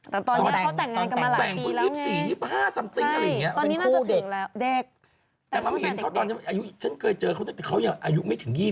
แต่ตอนนี้เขาแต่งงานกันมาหลายปีแล้วไงใช่ตอนนี้น่าจะถึงแล้วแต่มันไม่เห็นเขาตอนนี้แต่ตอนนี้เขาแต่งงานกันมาหลายปีแล้วไง